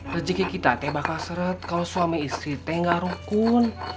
rejeki kita teh bakal seret kalau suami istri teh ngaruh kun